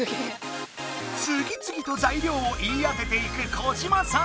つぎつぎと材料を言いあてていく小嶋さん。